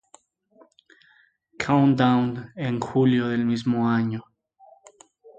Countdown" en julio del mismo año.